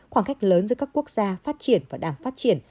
khoảng cách lớn giữa các quốc gia phát triển và đang phát triển